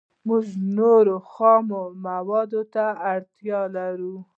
موږ نورو خامو موادو ته اړتیا لرو